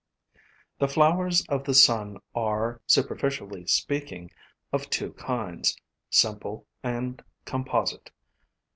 The flowers of the sun are, superficially speak ing, of two kinds, simple and composite.